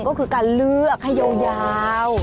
ก็คือการเลือกให้ยาว